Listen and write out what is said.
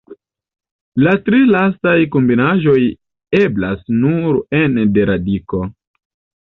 La tri lastaj kombinaĵoj eblas nur ene de radiko.